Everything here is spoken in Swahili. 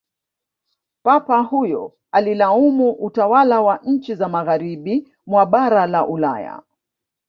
papa huyo alilaumu utwala wa nchi za magharibi mwa bara la ulaya